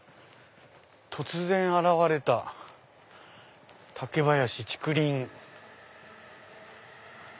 突然現れた竹林。